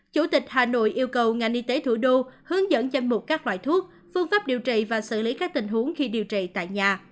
chủ tịch hà nội yêu cầu ngành y tế thủ đô hướng dẫn danh mục các loại thuốc phương pháp điều trị và xử lý các tình huống khi điều trị tại nhà